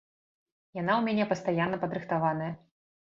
Яна ў мяне пастаянна падрыхтаваная.